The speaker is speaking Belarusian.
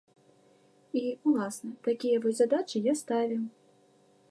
І, уласна, такія вось задачы я ставіў.